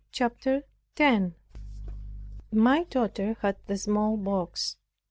CHAPTER 10 My daughter had the smallpox.